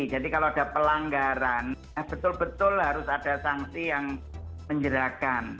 jadi kalau ada pelanggaran betul betul harus ada sanksi yang menyerahkan